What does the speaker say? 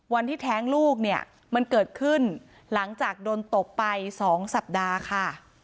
แท้งลูกเนี่ยมันเกิดขึ้นหลังจากโดนตบไป๒สัปดาห์ค่ะ